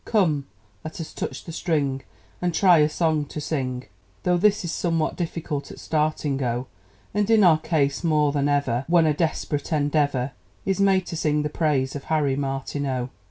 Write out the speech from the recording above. Come, let us touch the string, And try a song to sing, Though this is somewhat difficult at starting, O! And in our case more than ever, When a desperate endeavour, Is made to sing the praise of Harry Martineau!